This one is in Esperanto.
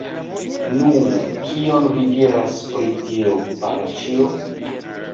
Nu! kion vi diras pri tio, paĉjo?